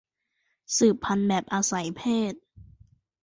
สืบพันธุ์แบบอาศัยเพศ